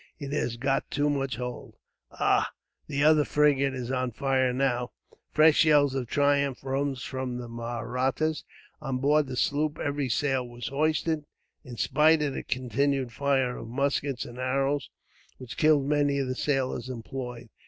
It has got too much hold. "Ah! The other frigate is on fire now." Fresh yells of triumph rose from the Mahrattas. On board the sloop every sail was hoisted, in spite of the continued fire of muskets and arrows, which killed many of the sailors employed.